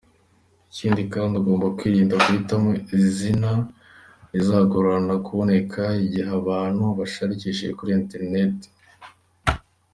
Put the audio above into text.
Ikindi kandi ugomba kwirinda guhitamo izina rizagorana kuboneka igihe abantu barishakishije kuri internet.